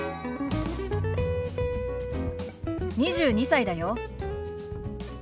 ２２歳だよ。